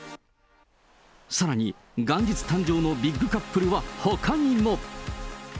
さらに、元日誕生のビッグカップルはほかにも。